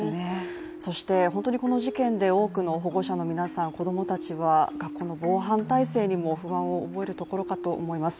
そして、本当にこの事件で多くの保護者の皆さん、子供たちは学校の防犯体制にも不安を覚えるところかと思います。